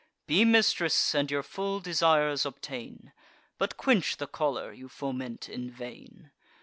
Be mistress, and your full desires obtain; But quench the choler you foment in vain.